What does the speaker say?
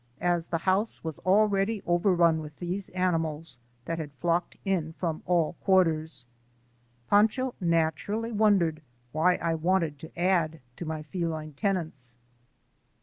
As the house was already overrun with these animals that had flocked in from all quarters, Pancho naturally wondered why I wanted to add to my feline tenants.